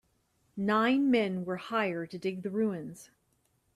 Nine men were hired to dig the ruins.